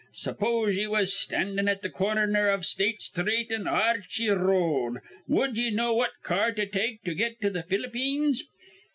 Suppose ye was standin' at th' corner iv State Sthreet an' Archey R road, wud ye know what car to take to get to th' Ph'lippeens?